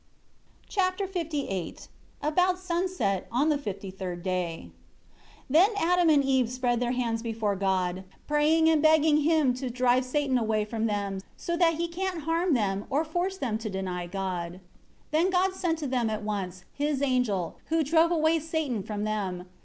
Chapter LVIII "About sunset on the 53rd day. .." 1 Then Adam and Eve spread their hands before God, praying and begging Him to drive Satan away from them so that he can't harm them or force them to deny God. 2 Then God sent to them at once, His angel, who drove away Satan from them.